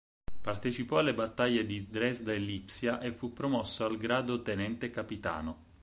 Partecipò alle battaglie di Dresda e Lipsia e fu promosso al grado tenente-capitano.